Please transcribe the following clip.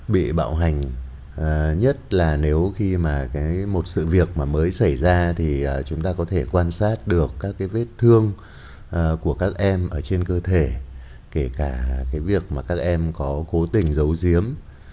bị bạo hành nhất là nếu khi mà một sự việc mà mới xảy ra thì chúng ta có thể quan sát được các cái vết thương của các em ở trên cơ thể kể cả cái việc mà các em có cố tình giấu giếm